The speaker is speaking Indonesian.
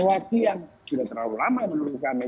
waktu yang sudah terlalu lama menurut kami